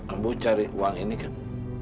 ambo cari uang ini kan